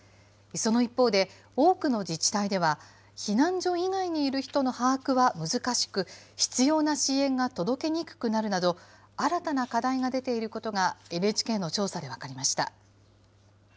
その一方で、多くの自治体では、避難所以外にいる人の把握は難しく、必要な支援が届けにくくなるなど、新たな課題が出ていることがＮＨＫの調査で分かりました。